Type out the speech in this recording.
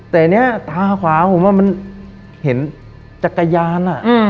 แต่เนี่ยตาขวาผมว่ามันเห็นจักรยาน